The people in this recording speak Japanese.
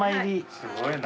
すごいな。